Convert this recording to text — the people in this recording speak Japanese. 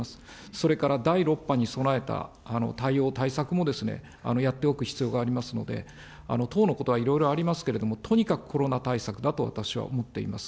それから第６波に備えた対応、対策もやっていく必要がありますので、党のことはいろいろありますけれども、とにかくコロナ対策だと私は思っています。